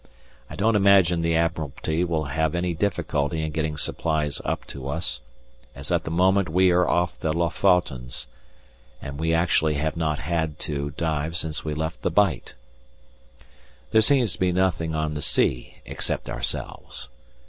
I don't imagine the Admiralty will have any difficulty in getting supplies up to us, as at the moment we are off the Lofotens, and we actually have not had to dive since we left the Bight! There seems to be nothing on the sea except ourselves.